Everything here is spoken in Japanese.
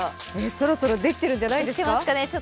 そろそろできてるんじゃないですか？